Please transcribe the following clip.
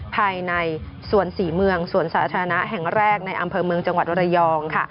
ภายในสวนศรีเมืองสวนสาธารณะแห่งแรกในอำเภอเมืองจังหวัดระยองค่ะ